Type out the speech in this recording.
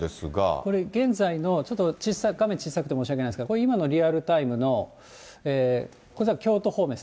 これ、現在のちょっと画面小さくて申し訳ないんですが、これ今のリアルタイムの、ここが京都方面です。